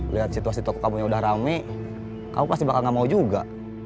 lihat situasi toko kamu yang udah rame kamu pasti bakal gak mau juga